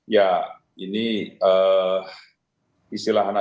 ya ini istilah anak sekolahnya